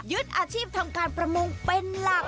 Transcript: อาชีพทำการประมงเป็นหลัก